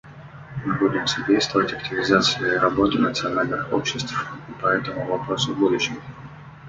Мы будем содействовать активизации работы национальных обществ по этому вопросу в будущем.